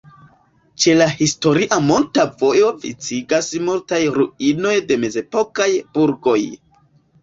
Ĉe la historia "monta vojo" viciĝas multaj ruinoj de mezepokaj burgoj.